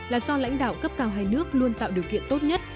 là do lãnh đạo cấp cao hai nước luôn tạo điều kiện tốt nhất